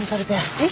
えっ？